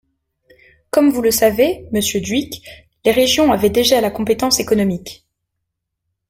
Comme vous le savez, monsieur Dhuicq, les régions avaient déjà la compétence économique.